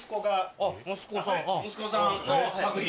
息子さんの作品？